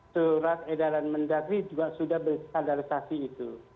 surat edaran mendagri juga sudah berstandarisasi itu